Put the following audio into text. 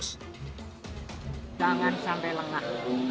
jangan sampai lengak